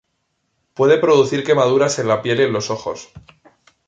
Puede producir quemaduras en la piel y en los ojos.